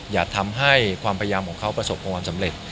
อย่าทำให้ความพยายามของเขาประสบความสำเร็จ